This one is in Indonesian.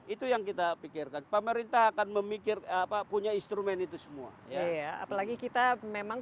itu yang kita pikirkan pemerintah akan memikir apa punya instrumen itu semua ya apalagi kita memang